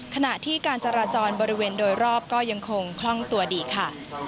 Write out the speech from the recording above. ขณะที่การจราจรบริเวณโดยรอบก็ยังคงคล่องตัวดีค่ะ